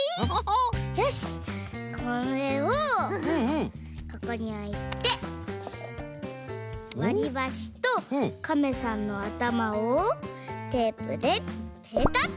よしこれをここにおいてわりばしとカメさんのあたまをテープでペタッと。